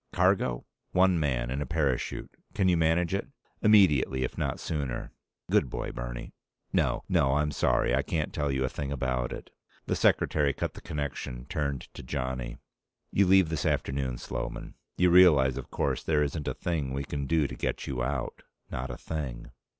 Cargo? One man, in a parachute. Can you manage it? Immediately, if not sooner. Good boy, Bernie. No ... no, I'm sorry, I can't tell you a thing about it." The Secretary cut the connection, turned to Johnny: "You leave this afternoon, Sloman. You realize, of course, there isn't a thing we can do to get you out. Not a thing."